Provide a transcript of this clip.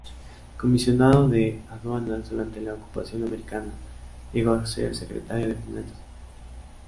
Comisionado de Aduanas durante la ocupación americana, llegó a ser Secretario de Finanzas.